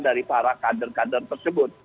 dari para kader kader tersebut